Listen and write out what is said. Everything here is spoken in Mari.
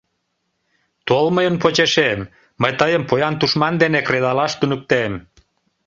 Тол мыйын почешем, мый тыйым поян тушман дене кредалаш туныктем...